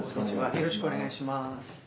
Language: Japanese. よろしくお願いします。